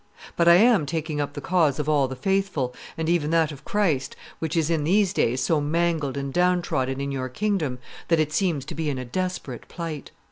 But I am taking up the cause of all the faithful, and even that of Christ, which is in these days so mangled and down trodden in your kingdom that it seems to be in a desperate plight.